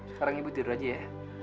sekarang ibu tidur aja ya